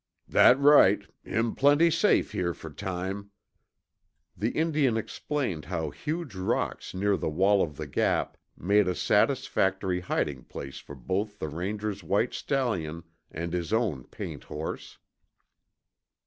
"That right, him plenty safe here for time." The Indian explained how huge rocks near the wall of the Gap made a satisfactory hiding place for both the Ranger's white stallion and his own paint horse.